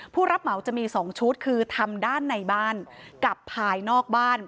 ผู้รับเหมาจะมี๒ชุดคือทำด้านในบ้านกับภายนอกบ้าน